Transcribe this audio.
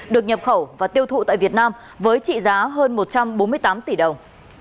được nhập khẩu và tiêu thụ tại việt nam với trị giá hơn một trăm bốn mươi tám tỷ đồng